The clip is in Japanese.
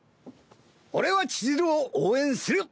俺はちづるを応援する。